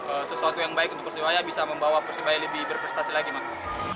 untuk sesuatu yang baik untuk persebaya bisa membawa persebaya lebih berprestasi lagi mas